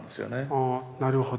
ああなるほど。